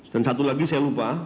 satu lagi saya lupa